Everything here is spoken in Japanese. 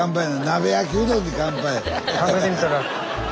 「鍋焼きうどんに乾杯」や。